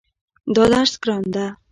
دا درس ګران ده